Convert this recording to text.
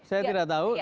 saya tidak tahu